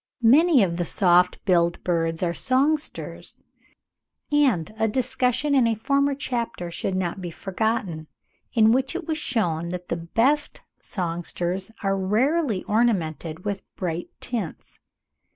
Many of the soft billed birds are songsters; and a discussion in a former chapter should not be forgotten, in which it was shewn that the best songsters are rarely ornamented with bright tints.